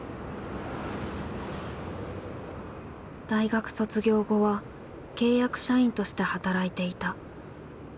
大学卒業後は契約社員として働いていた。